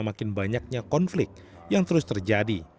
dan makin banyaknya konflik yang terus terjadi